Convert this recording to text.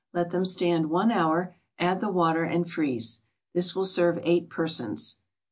Let them stand one hour, add the water, and freeze. This will serve eight persons.